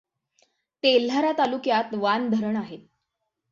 तेल्हारा तालुक्यात वान धरण आहे.